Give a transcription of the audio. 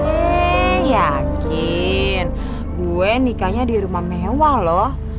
eh yakin gue nikahnya di rumah mewah loh